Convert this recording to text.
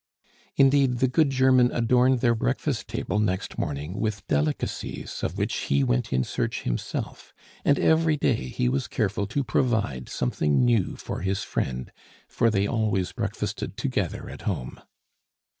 Indeed, the good German adorned their breakfast table next morning with delicacies of which he went in search himself; and every day he was careful to provide something new for his friend, for they always breakfasted together at home.